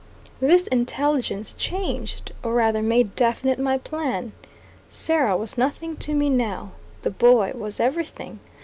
This intelligence changed, or rather made definite my plan. Sarah was nothing to me now. The boy was everything.